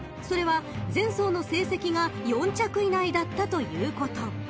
［それは前走の成績が４着以内だったということ］